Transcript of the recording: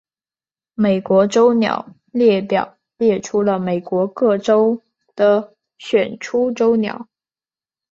美国州鸟列表列出了美国各州的选出州鸟。